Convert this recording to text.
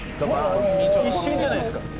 一瞬じゃないですか。